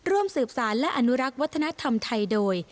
ร่วมสืบสารและอนุรักษ์วัฒนธรรมไทยโดย